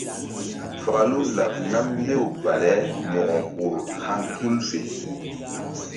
Falu laɓ nam mbew bale Mo̧ko ur haŋ tul fe.